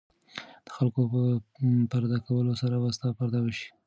د خلکو په پرده کولو سره به ستا پرده وشي.